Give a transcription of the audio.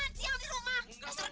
apa yang nunggu pengen ngambil